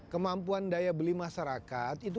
kemampuan daya beli masyarakat